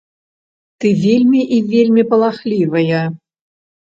Ты вельмі і вельмі палахлівая.